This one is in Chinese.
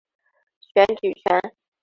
选举权。